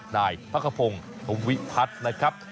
นายพักขพงศ์ธมวิพัฒน์นะครับ